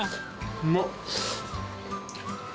うまっ。